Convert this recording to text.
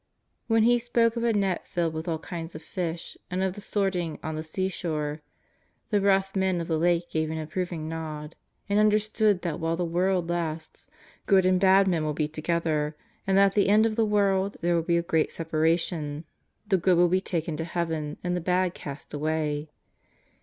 When He spoke of a net filled with all kinds of fish and of the sorting on the seashore, the rough men of the Lake gave an approving nod, and understood that while the world lasts, good and bad men will be together, and that at the end of the world there will be a great separation, the good will be taken to Heaven and the bad cast away.